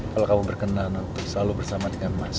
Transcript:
kalo kamu berkenan aku selalu bersama dengan mas